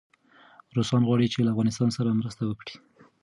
روسان غواړي چي له افغانستان سره مرسته وکړي.